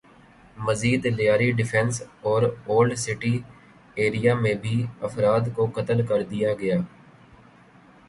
مزید لیاری ڈیفنس اور old city area میں بھی افراد کو قتل کر دیا گیا